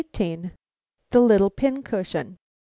THE LITTLE PINCUSHION.